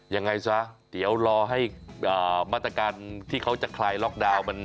ยังไงซะเดี๋ยวรอให้มาตรการที่เขาจะคลายล็อกดาวน์